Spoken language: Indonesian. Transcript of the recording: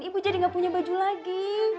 ibu jadi gak punya baju lagi